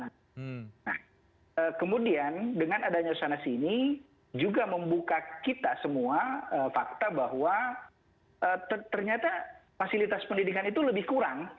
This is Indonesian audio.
nah kemudian dengan adanya sana sini juga membuka kita semua fakta bahwa ternyata fasilitas pendidikan itu lebih kurang